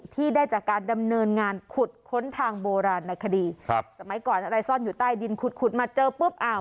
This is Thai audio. ที่ได้จากการดำเนินงานขุดค้นทางโบราณในคดีครับสมัยก่อนอะไรซ่อนอยู่ใต้ดินขุดขุดมาเจอปุ๊บอ่า